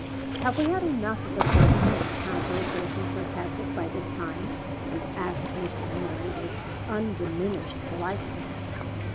"Have we had enough of assertion and counter assertion, Sir Patrick, by this time?" asked Mr. Moy, with undiminished politeness.